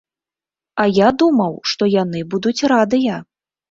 А я думаў, што яны будуць радыя!